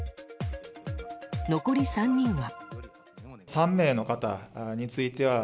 残り３人は。